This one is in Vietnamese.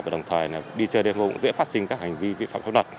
đồng thời đi chơi đêm hôm cũng dễ phát sinh các hành vi vi phạm phóng đọc